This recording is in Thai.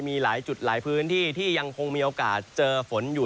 มีหลายจุดหลายพื้นที่ที่ยังคงมีโอกาสเจอฝนอยู่